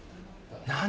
何？